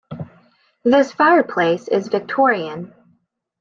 This fireplace is Victorian.